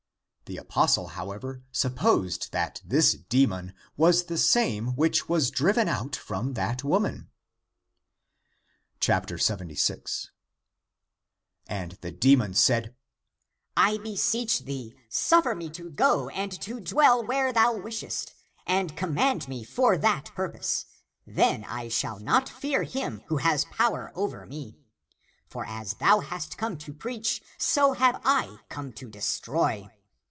The apostle, however, supposed that this demon was the same which was driven out from that woman. 76. And the demon said, " I beseech thee, suffer me to go and to dwell where thou wishest, and com mand me for that purpose, then I shall not fear liim who has power over me. For as thou hast come to preach, so have I come to destroy.